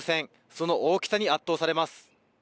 その大きさに圧倒されます。